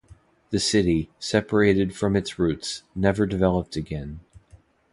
The city, separated from its roots, never developed again.